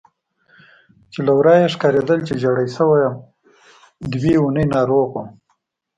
چې له ورایه ښکارېدل چې ژېړی شوی یم، دوه اونۍ ناروغ وم.